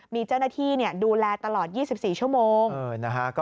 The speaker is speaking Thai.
มีเจ้าหน้าที่ดูแลตลอด๒๔ชั่วโมง